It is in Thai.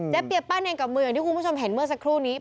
เปียป้าเนรกับมืออย่างที่คุณผู้ชมเห็นเมื่อสักครู่นี้